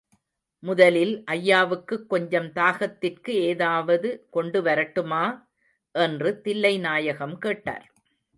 முதலில் ஐயாவுக்குக் கொஞ்சம் தாகத்திற்கு ஏதாவது கொண்டுவரட்டுமா? என்று தில்லைநாயகம் கேட்டார்.